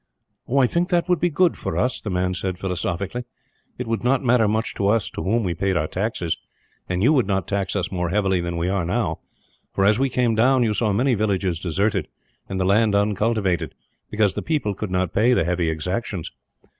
"I think that would be good for us," the man said philosophically. "It would not matter much to us to whom we paid our taxes and you would not tax us more heavily than we are now for as we came down you saw many villages deserted, and the land uncultivated, because the people could not pay the heavy exactions.